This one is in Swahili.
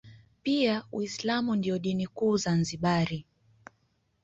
Pia uislamu ndio dini kuu Zanzibari